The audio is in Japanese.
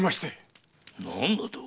何だと？